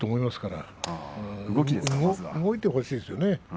動いてほしいですよね。